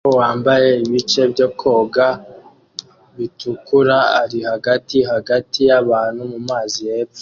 Umugabo wambaye ibice byo koga bitukura ari hagati hagati yabantu mumazi hepfo